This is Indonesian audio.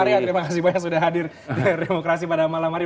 terima kasih banyak sudah hadir di layar demokrasi pada malam hari